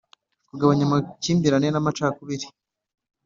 kurwanya amakimbirane n amacakubiri